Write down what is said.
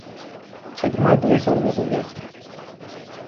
Ce drum ai dori să urmezi în viață.